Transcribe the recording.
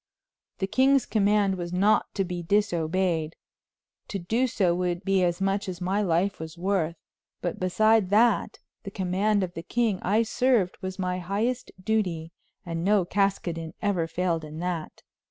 The king's command was not to be disobeyed; to do so would be as much as my life was worth, but besides that, the command of the king I served was my highest duty, and no Caskoden ever failed in that.